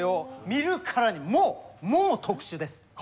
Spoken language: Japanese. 見るからにもうもう特殊です。